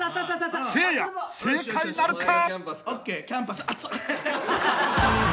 ［せいや正解なるか！？］